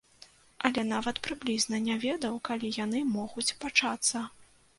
Але нават прыблізна не ведаў, калі яны могуць пачацца.